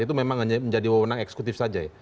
itu memang hanya menjadi wawonan eksekutif saja ya